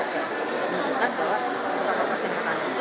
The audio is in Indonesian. menuntutkan bahwa protokol kesehatan itu